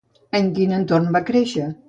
En quin entorn va créixer?